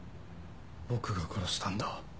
僕が殺したんだ。